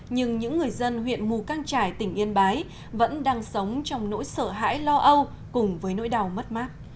nhưng những người dân huyện mù căng trải tỉnh yên bái vẫn đang sống trong nỗi sợ hãi lo âu cùng với nỗi đau mất mát